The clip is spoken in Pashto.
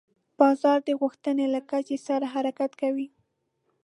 بازار د غوښتنې له کچې سره حرکت کوي.